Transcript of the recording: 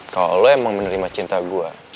kalau allah emang menerima cinta gue